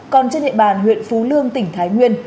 còn trên địa bàn huyện phú lương tỉnh thái nguyên